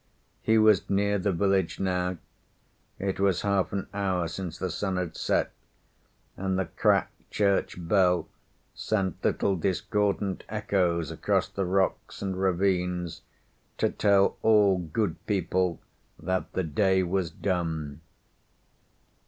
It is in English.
He was near the village now; it was half an hour since the sun had set, and the cracked church bell sent little discordant echoes across the rocks and ravines to tell all good people that the day was done.